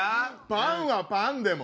「パンはパンでも」。